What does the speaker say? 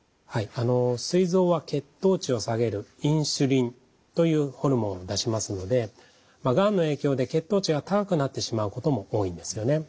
すい臓は血糖値を下げるインスリンというホルモンを出しますのでがんの影響で血糖値が高くなってしまうことも多いんですよね。